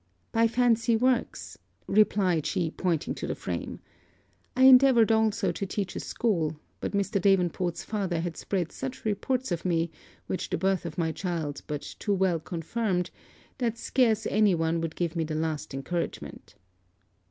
'By fancy works,' replied she, pointing to the frame. 'I endeavoured also to teach a school; but Mr. Davenport's father had spread such reports of me, which the birth of my child but too well confirmed, that scarce any one would give me the least encouragement.'